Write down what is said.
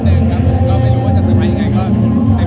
แล้วทำให้เค้าเซอร์ไพรแดงจริงยากมากนะครับ